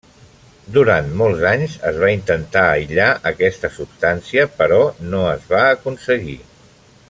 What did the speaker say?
Durant molts anys es va intentar aïllar aquesta substància però no es va aconseguir.